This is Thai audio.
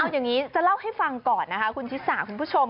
เอาอย่างนี้จะเล่าให้ฟังก่อนนะคะคุณชิสาคุณผู้ชม